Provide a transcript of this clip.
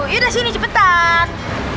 iya udah sini cepetan